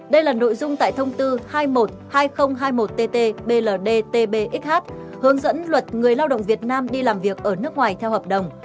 đây là nội dung tại thông tư hai mươi một hai nghìn hai mươi một tt bld tbxh hướng dẫn luật người lao động việt nam đi làm việc ở nước ngoài theo hợp đồng